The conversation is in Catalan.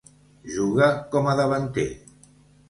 Juga com a davanter.